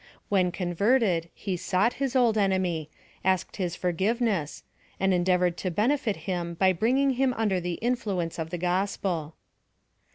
When con verted, he sought his old enemy — asked his forgive ness ; and endeavored to benefit him by bringing him under the influence of the gospel.